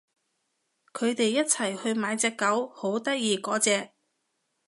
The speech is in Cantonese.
佢哋一齊去買隻狗，好得意嗰隻